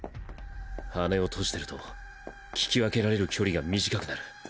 羽を閉じてると聞き分けられる距離が短くなる。